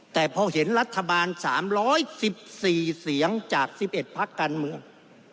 แต่พอเห็นรัฐบาล๓๑๔เสียงจาก๑๑พักการเมือง